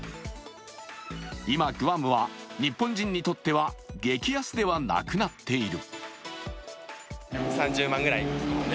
今グアムは日本人にとっては激安ではなくなっている。